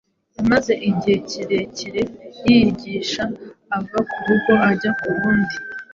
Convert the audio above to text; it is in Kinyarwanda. Yamaze igihe kirekire yigisha ava ku rugo ajya ku rundi